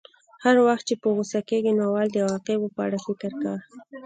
هر وخت چې په غوسه کېږې نو اول د عواقبو په اړه فکر کوه.